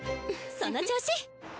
その調子！